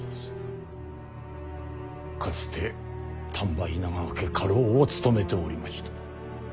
かつて丹波稲川家家老を務めておりました。